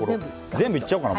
全部いっちゃおうかな。